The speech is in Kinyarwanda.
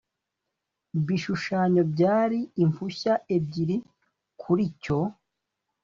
bishushanyo byari impushya ebyiri kuri cyo